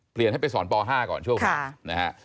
เปลี่ยนให้ไปสอนป๕ก่อนช่วงค่ะ